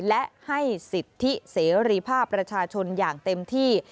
และให้สิทธิเสรีภาพประชาชนอย่างเต็มที่